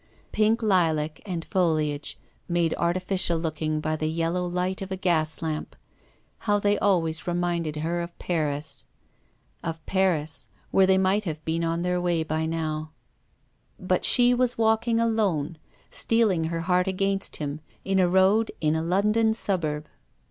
Pink lilac and foliage made artificial looking by the yel low light of a gas lamp; how they always reminded her of Paris! Of Paris, where they were to have been on their way by now. But she was walking alone, steeling her heart against him, in a road in a London suburb.